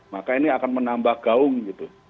maka ini akan menambah gaung gitu